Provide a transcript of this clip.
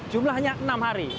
jumlahnya enam hari